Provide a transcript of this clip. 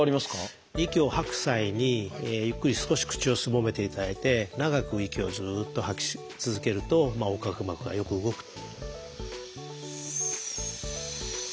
息を吐く際にゆっくり少し口をすぼめていただいて長く息をずっと吐き続けると横隔膜がよく動くと。